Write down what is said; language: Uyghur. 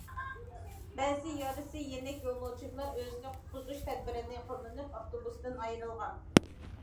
بەزى يارىسى يېنىك يولۇچىلار ئۆزىنى قۇتقۇزۇش تەدبىرىنى قوللىنىپ ئاپتوبۇستىن ئايرىلغان.